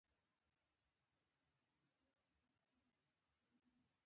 زه د خپل قلم له لارې د فکر څرک خپروم.